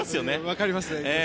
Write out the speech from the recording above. わかりますね。